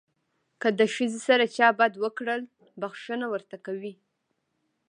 که د ښځې سره چا بد وکړل بښنه ورته کوي.